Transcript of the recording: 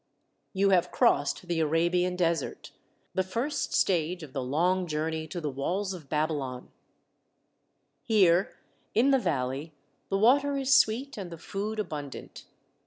You have crossed the Arabian Desert, the first THE WALLS OF BABYLON 41 stage of the long journey to the walls of Babylon. Here in the valley the water is sweet and the food abundant.